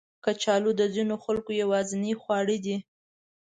کچالو د ځینو خلکو یوازینی خواړه دي